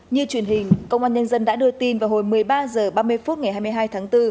như truyền hình công an nhân dân đã đưa tin vào hồi một mươi ba h ba mươi phút ngày hai mươi hai tháng bốn